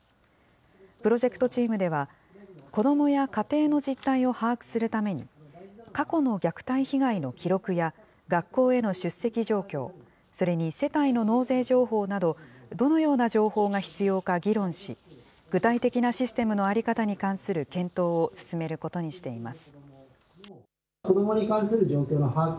プロジェクトチームでは、子どもや家庭の実態を把握するために、過去の虐待被害の記録や、学校への出席状況、それに世帯の納税情報など、どのような情報が必要か議論し、具体的なシステムの在り方に関する検討を進めることにしています。